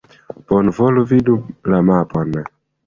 Bonvolu vidi la mapon.